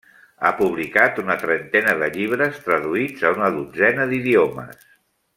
Ha publicat una trentena de llibres, traduïts a una dotzena d'idiomes.